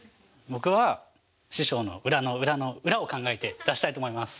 僕は師匠の裏の裏の裏を考えて出したいと思います。